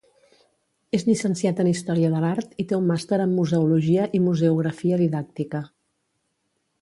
És llicenciat en història de l'art i té un màster en museologia i museografia didàctica.